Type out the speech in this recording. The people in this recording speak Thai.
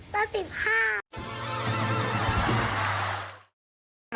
เปิ๊ะอะไรนะ